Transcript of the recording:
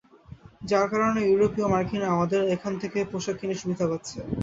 যার কারণে ইউরোপীয় ও মার্কিনরা আমাদের এখান থেকে পোশাক কিনে সুবিধা পাচ্ছে।